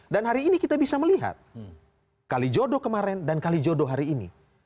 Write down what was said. dan hari ini kita bisa melihat kalijodo kemarin dan kalijodo hari ini